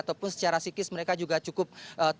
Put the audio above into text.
ataupun secara psikis mereka juga cukup